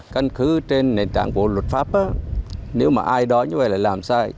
căn cứ trên nền tảng của luật pháp nếu mà ai đó như vậy là làm sai